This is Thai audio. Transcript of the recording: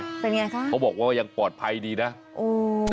เป็นไงคะเขาบอกว่ายังปลอดภัยดีนะโอ้